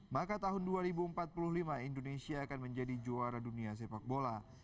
maka tahun dua ribu empat puluh lima indonesia akan menjadi juara dunia sepak bola